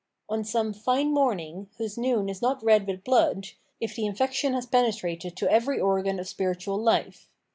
* On some " flne morning," whose noon is not red with blood, if the infection has penetrated to every organ of spiritual bfe.